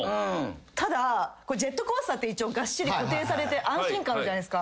ただジェットコースターってがっしり固定されて安心感あるじゃないですか。